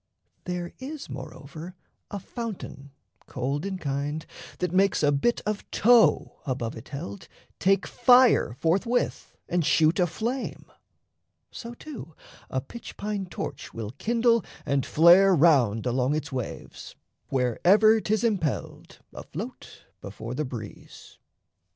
There is, moreover, a fountain cold in kind That makes a bit of tow (above it held) Take fire forthwith and shoot a flame; so, too, A pitch pine torch will kindle and flare round Along its waves, wherever 'tis impelled Afloat before the breeze.